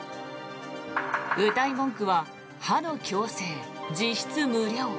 うたい文句は歯の矯正実質無料。